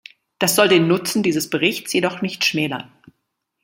Das soll den Nutzen dieses Berichts jedoch nicht schmälern.